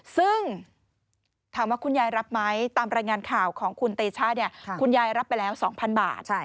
ซึ่งถามว่าคุณยายรับไหมตามรายงานข่าวของคุณเตชะคุณยายรับไปแล้ว๒๐๐บาท